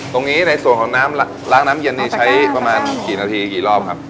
ในส่วนของน้ำล้างน้ำเย็นนี้ใช้ประมาณกี่นาทีกี่รอบครับ